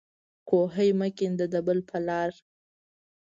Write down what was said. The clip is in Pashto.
کوهی مه کنده د بل په لار.